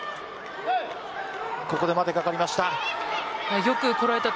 ここで待てがかかりました。